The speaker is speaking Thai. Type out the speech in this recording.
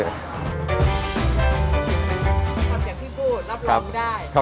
ทำอย่างที่พูดรับรองได้